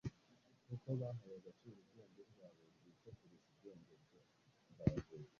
kuko bahaga agaciro ubwenge bwabo bwite kurusha ubwenge mvajuru.